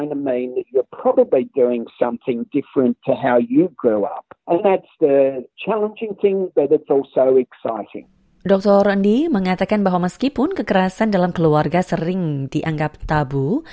dr randi mengatakan bahwa meskipun kekerasan dalam keluarga sering dianggap tabu